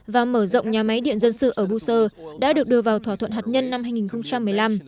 và mở rộng nhà máy điện dân sự ở busur đã được đưa vào thỏa thuận hạt nhân năm hai nghìn một mươi năm